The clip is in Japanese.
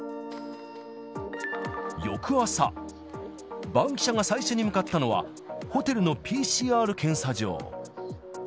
翌朝、バンキシャが最初に向かったのは、ホテルのＰＣＲ検査場。